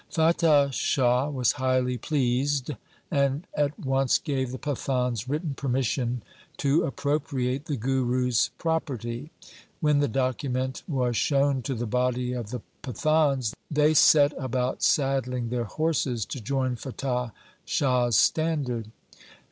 Fatah Shah was highly pleased, and at once gave the Pathans written permission to appropriate the Guru's pro perty. When the document was shown to the body of the Pathans, they set about saddling their horses to join Fatah Shah's standard.